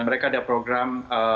mereka ada program